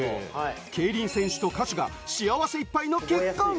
競輪選手と歌手が幸せいっぱいの結婚。